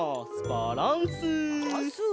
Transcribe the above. バランス！